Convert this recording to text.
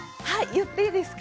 言っていいですか？